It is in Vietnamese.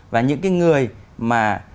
và những cái người mà